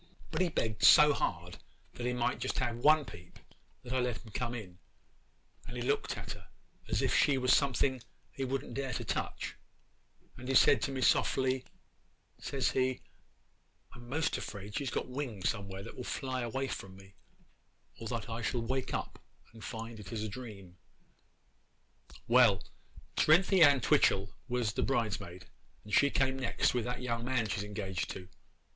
'But he begged so hard that he might just have one peep, that I let him come in, and he looked at her as if she was something he wouldn't dare to touch, and he said to me softly, says he, "I'm 'most afraid she has got wings somewhere that will fly away from me, or that I shall wake up and find it is a dream." 'Well, Cerinthy Ann Twitchel was the bridesmaid, and she came next with that young man she is engaged to.